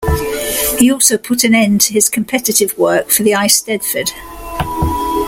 He also put an end to his competitive work for the Eisteddfod.